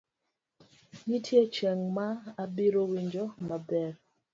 nitie chieng' ma abiro winjo maber